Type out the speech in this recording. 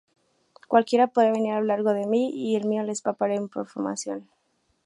Cualquiera podría venir a lo largo de y el mío les para información.